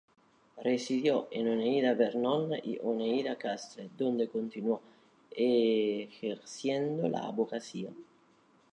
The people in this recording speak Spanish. Residió en Oneida Vernon y Oneida Castle, donde continuó ejerciendo la abogacía.